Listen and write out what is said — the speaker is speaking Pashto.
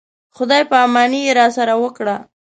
خدای په اماني یې راسره وکړه.